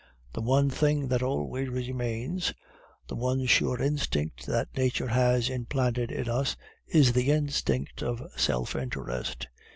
The one thing that always remains, the one sure instinct that nature has implanted in us, is the instinct of self interest.